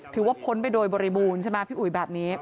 พ้นไปโดยบริบูรณ์ใช่ไหมพี่อุ๋ยแบบนี้